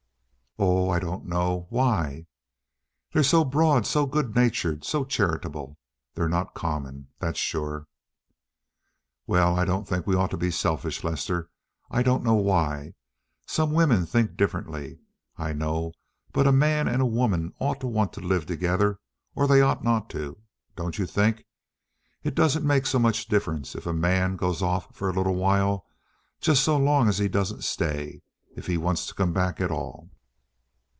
"Oh, I don't know, why?" "They're so broad, so good natured, so charitable. They're not common, that's sure." "Why, I don't think we ought to be selfish, Lester. I don't know why. Some women think differently, I know, but a man and a woman ought to want to live together, or they ought not to—don't you think? It doesn't make so much difference if a man goes off for a little while—just so long as he doesn't stay—if he wants to come back at all."